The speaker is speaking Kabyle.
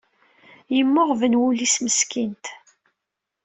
Yemmuɣben wul-is meskint.